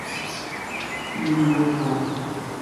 Line GoGo!